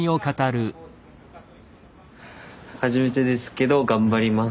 初めてですけど頑張ります。